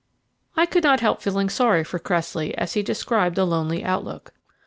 I could not help feeling sorry for Cressley as he described the lonely outlook.